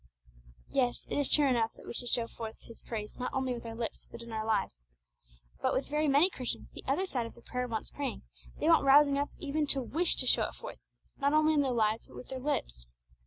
_' Yes, it is true enough that we should show forth His praise not only with our lips, but in our lives; but with very many Christians the other side of the prayer wants praying they want rousing up even to wish to show it forth not only in their lives but with their lips.